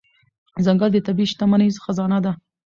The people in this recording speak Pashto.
ځنګل د طبیعي شتمنۍ خزانه ده.